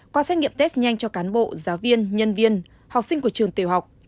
qua xét nghiệm test nhanh cho cán bộ giáo viên nhân viên học sinh của trường tiểu học